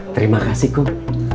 terima kasih kum